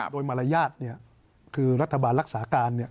โดยมารยาทคือรัฐบาลรักษาการ